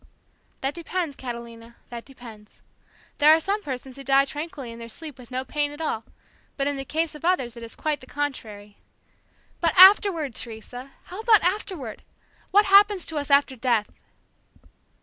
"That depends, Catalina, that depends. There are some persons who die tranquilly in their sleep with no pain at all, but in the case of others it is quite the contrary." "But afterward, Teresa! How about afterward? What happens to us after death?"